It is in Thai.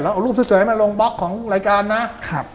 เอารูปสวยมาลงบล็อกของรายการนะครับ